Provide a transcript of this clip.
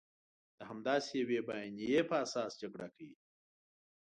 د همداسې یوې بیانیې په اساس جګړه کوي.